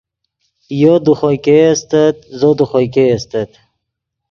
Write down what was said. یو دے خوئے ګئے استت زو دے خوئے ګئے